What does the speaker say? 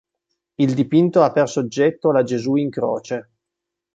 Il dipinto ha per soggetto la Gesù in croce.